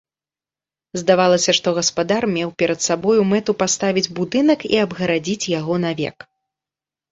Здавалася, што гаспадар меў перад сабою мэту паставіць будынак і абгарадзіць яго навек.